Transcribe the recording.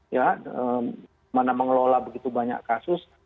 ya mana mengelola begitu banyak kasus